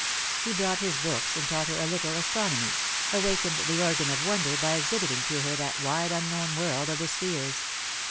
He brought his books, and taught her a little astronomy; awakened the organ of wonder by exhibiting to her that wide unknown world of the spheres.